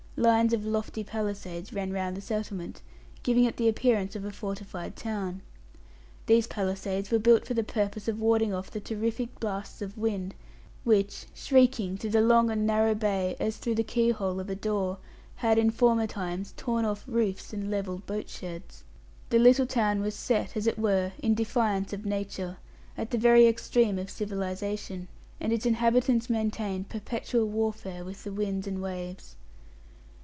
Lines of lofty palisades ran round the settlement, giving it the appearance of a fortified town. These palisades were built for the purpose of warding off the terrific blasts of wind, which, shrieking through the long and narrow bay as through the keyhole of a door, had in former times tore off roofs and levelled boat sheds. The little town was set, as it were, in defiance of Nature, at the very extreme of civilization, and its inhabitants maintained perpetual warfare with the winds and waves.